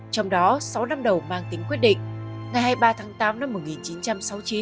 trong đó sáu năm đầu mang tính quyết định ngày hai mươi ba tháng tám năm một nghìn chín trăm sáu mươi chín